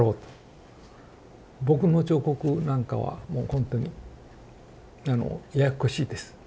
僕の彫刻なんかはもうほんとにあのややっこしいです。